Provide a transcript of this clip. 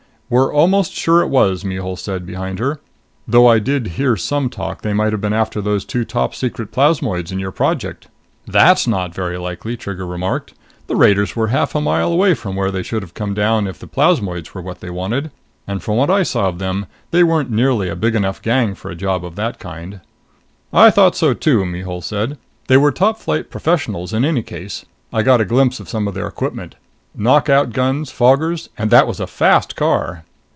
"We're almost sure it was," Mihul said behind her, "though I did hear some talk they might have been after those two top secret plasmoids in your Project." "That's not very likely," Trigger remarked. "The raiders were a half mile away from where they should have come down if the plasmoids were what they wanted. And from what I saw of them, they weren't nearly a big enough gang for a job of that kind." "I thought so, too," Mihul said. "They were topflight professionals, in any case. I got a glimpse of some of their equipment. Knockout guns foggers and that was a fast car!"